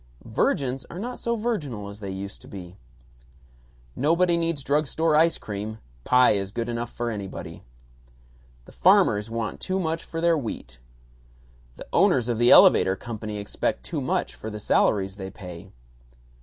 Virgins are not so virginal as they used to be. Nobody needs drug store ice cream; pie is good enough for anybody. The farmers want too much for their wheat. The owners of the elevator company expect too much for the salaries they pay.